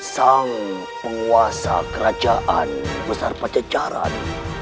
sang penguasa kerajaan besar pacecaran